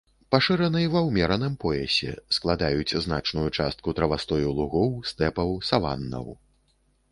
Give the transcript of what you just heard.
Пашыраны ва ўмераным поясе, складаюць значную частку травастою лугоў, стэпаў, саваннаў.